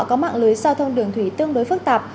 có mạng lưới giao thông đường thủy tương đối phức tạp